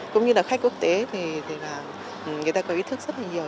cũng như là khách quốc tế thì là người ta có ý thức rất là nhiều